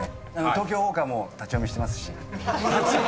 『東京ウォーカー』も立ち読みしてますし。